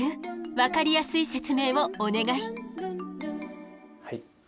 分かりやすい説明をお願い。